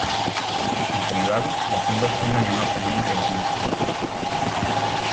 En general, las hembras son de menor tamaño que los machos.